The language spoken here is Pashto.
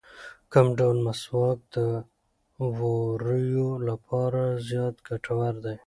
کوم ډول مسواک د ووریو لپاره زیات ګټور دی؟